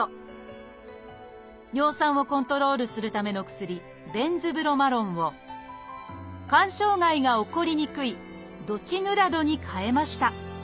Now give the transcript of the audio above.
尿酸をコントロールするための薬「ベンズブロマロン」を肝障害が起こりにくい「ドチヌラド」に替えました。